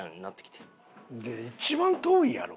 一番遠いやろ。